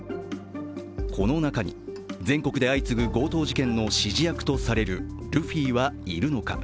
この中に全国で相次ぐ強盗事件の指示役とされるルフィはいるのか。